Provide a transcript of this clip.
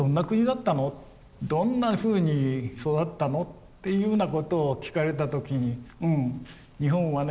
どんなふうに育ったの？っていうふうなことを聞かれた時にうん日本はね